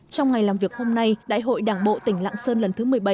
trong ngày làm việc hôm nay đại hội đảng bộ tỉnh lạng sơn lần thứ một mươi bảy